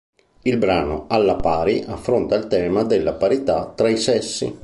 Il brano "Alla pari" affronta il tema della parità tra i sessi.